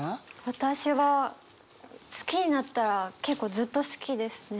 私は好きになったら結構ずっと好きですね。